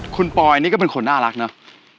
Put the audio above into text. คุณปอยนี่ก็เป็นคนน่ารักเนอะ